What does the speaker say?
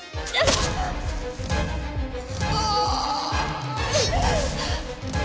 ああ！